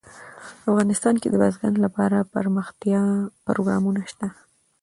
افغانستان کې د بزګان لپاره دپرمختیا پروګرامونه شته.